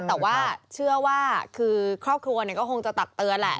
แต่ว่าเชื่อว่าคือครอบครัวก็คงจะตักเตือนแหละ